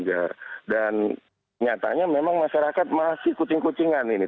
dan nyatanya memang masyarakat masih kucing kucingan ini